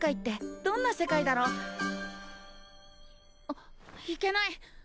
あっいけない。